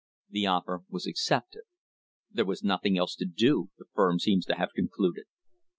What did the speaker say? The offer was accepted. There was nothing else to do, the firm seems to have concluded.